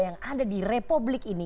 yang ada di republik ini